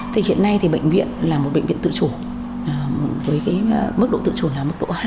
thì hiện nay thì bệnh viện là một bệnh viện tự chủ với cái mức độ tự chủ là mức độ hai